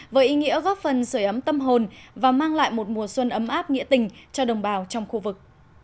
với ý nghĩa góp phần sửa ấm tâm hồn và mang lại một mùa xuân ấm áp nghĩa tình cho đồng bào trong khu vực